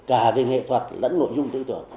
cả về nghệ thuật lẫn nội dung tư tưởng